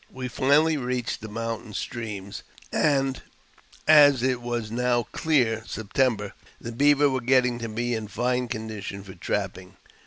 We finally reached the moun tain streams, and, as it was now near September, the beaver were getting to be in fine condition for trapping.